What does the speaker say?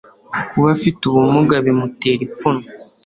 kuba afite ubumuga bimutera ipfunwe